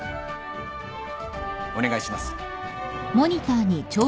お願いします。